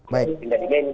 tinggal di geng